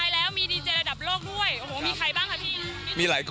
ดีเจเมืองไทยแล้วมีดีเจระดับโลกด้วย